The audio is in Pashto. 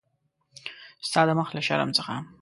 ستا د مخ له شرم څخه.